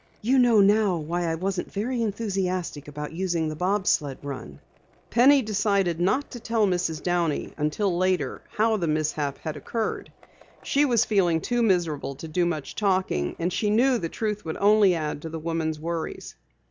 "You know now why I wasn't very enthusiastic about using the bob sled run." Penny decided not to tell Mrs. Downey until later how the mishap had occurred. She was feeling too miserable to do much talking, and she knew the truth would only add to the woman's worries.